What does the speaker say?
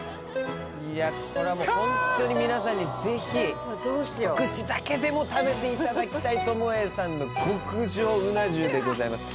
いやこれはもうホントに皆さんに是非ひと口だけでも食べていただきたい友栄さんの極上うな重でございます